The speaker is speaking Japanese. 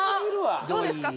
どうですか？